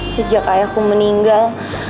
sejak ayahku meninggal